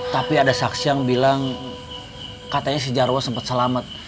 tapi ada saksi yang bilang katanya si jarwo sempat selamat